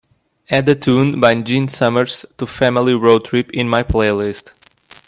Add a tune by gene summers to family road trip in my playlist